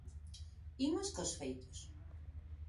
Imos cos feitos.